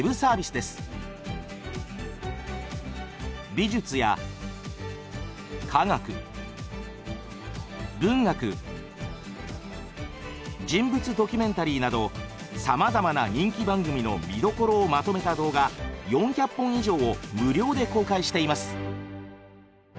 美術や科学文学人物ドキュメンタリーなどさまざまな人気番組の「見どころ」をまとめた動画４００本以上を無料で公開しています。